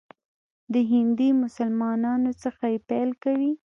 د هندي مسلمانانو څخه یې پیل کوي.